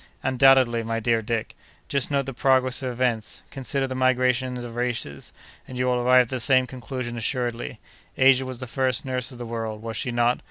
"Undoubtedly, my dear Dick. Just note the progress of events: consider the migrations of races, and you will arrive at the same conclusion assuredly. Asia was the first nurse of the world, was she not?